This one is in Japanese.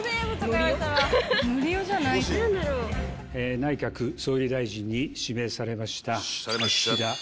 内閣総理大臣に指名されました。